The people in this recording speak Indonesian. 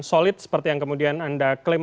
solid seperti yang kemudian anda klaim